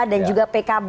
dan juga pkb